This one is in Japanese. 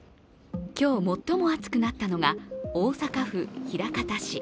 今日最も暑くなったのが大阪府枚方市。